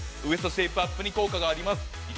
ウエストシェイプアップに効果があります。